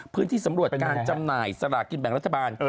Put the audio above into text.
พื้นที่สำรวจการจำหน่ายสละกินแบบรัฐบาล